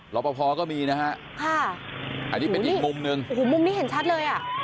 รอปภก็มีนะฮะอันนี้เป็นอีกมุมนึงมุมนี้เห็นชัดเลย